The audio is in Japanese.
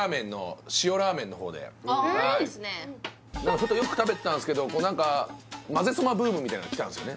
ホントよく食べてたんですけどなんかまぜそばブームみたいのがきたんですよね